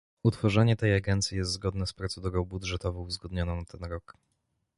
Utworzenie tej agencji jest zgodne z procedurą budżetową uzgodnioną na ten rok